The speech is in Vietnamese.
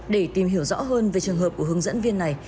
để tìm hiểu rõ hơn về trường hợp của hướng dẫn viên này